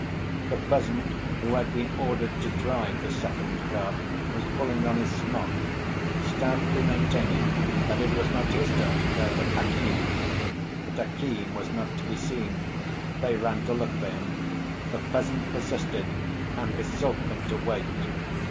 The peasant who had been ordered to drive the second cart was pulling on his smock, stoutly maintaining that it was not his turn to go, but Akim's. But Akim was not to be seen. They ran to look for him. The peasant persisted and besought them to wait.